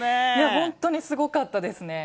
本当にすごかったですね。